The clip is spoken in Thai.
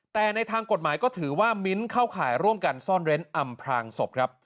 แต่ในทางกฎหมายก็ถือว่ามิ้นท์เข้าข่ายร่วมกันซ่อนเร้นอำพลางศพครับ